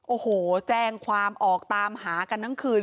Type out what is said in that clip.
โอ้โหแจ้งความออกตามหากันทั้งคืน